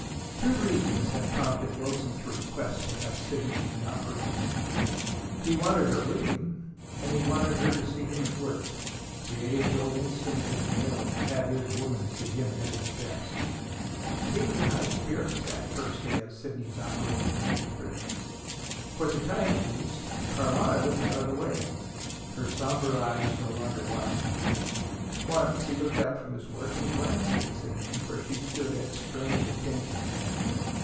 Two reasons had prompted Wilson to request to have Sidney in the operating room. He wanted her with him, and he wanted her to see him at work: the age old instinct of the male to have his woman see him at his best. He was in high spirits that first day of Sidney's operating room experience. For the time at least, Carlotta was out of the way. Her somber eyes no longer watched him. Once he looked up from his work and glanced at Sidney where she stood at strained attention.